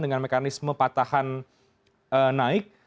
dengan mekanisme patahan naik